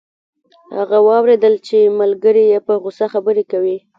هغه واوریدل چې ملګری یې په غوسه خبرې کوي